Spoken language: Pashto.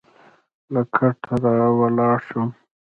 له کټه راولاړ شوم.